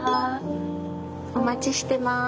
お待ちしてます。